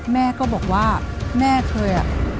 แม่ก็บอกว่าแม่เคยอ่ะ